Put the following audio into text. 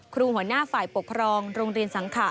หัวหน้าฝ่ายปกครองโรงเรียนสังขา